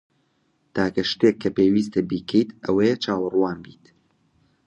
تاکە شتێک کە پێویستە بیکەیت ئەوەیە چاوەڕوان بیت.